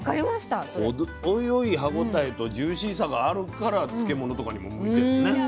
程よい歯応えとジューシーさがあるから漬物とかにも向いてるんだね。